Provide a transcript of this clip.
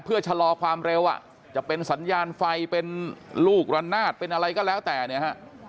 เพื่อชะลอความเร็วอ่ะจะเป็นสัญญาณไฟเป็นลูกระนาดเป็นอะไรก็แล้วแต่เนี่ยฮะ